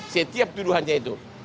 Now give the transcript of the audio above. setiap tuduhannya itu